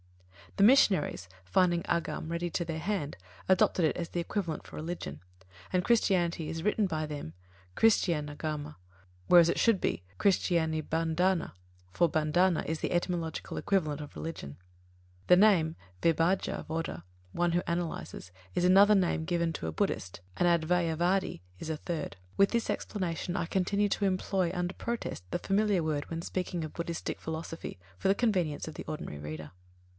The missionaries, finding Āgama ready to their hand, adopted it as the equivalent for "religion"; and Christianity is written by them Christianāgama, whereas it should be Christianibandhana, for bandhana is the etymological equivalent for "religion". The name Vibhajja vāda one who analyses is another name given to a Buddhist, and Advayavādī is a third. With this explanation, I continue to employ under protest the familiar word when speaking of Buddhistic philosophy, for the convenience of the ordinary reader.